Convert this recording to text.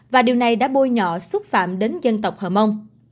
và điều này đã bôi nhỏ xúc phạm đến dân tộc hồng mông